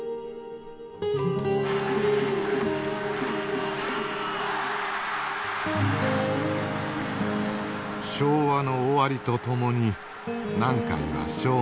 やっぱり昭和の終わりとともに南海は消滅。